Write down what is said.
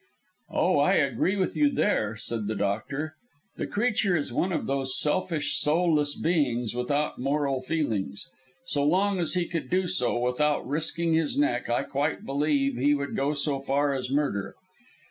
"Oh, I agree with you there," said the doctor. "The creature is one of those selfish, soulless beings without moral feelings. So long as he could do so, without risking his neck, I quite believe he would go so far as murder.